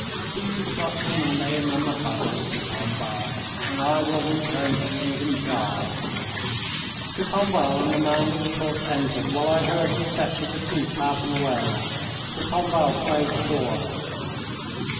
Do you truss him and lay him on the faggots, de Pombal, and I will return to see him die." De Pombal and the man with the torch entered, while I heard the steps of the chief passing away. De Pombal closed the door.